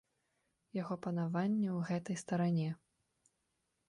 Яго панавання ў гэтай старане.